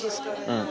うん。